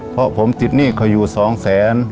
เพราะผมติดหนี้เขาอยู่๒แสน